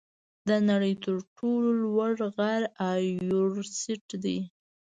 د نړۍ تر ټولو لوړ غر ایورسټ دی.